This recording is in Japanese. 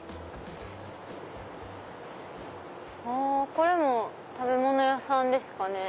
これも食べ物屋さんですかね？